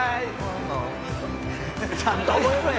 ちゃんと覚えろや。